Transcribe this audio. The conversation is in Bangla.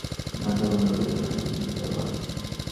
সেই পুরুষটাকে পাইলে এখনই তার মাথা গুঁড়া করিয়া দেন এমনি তাঁর ভাব।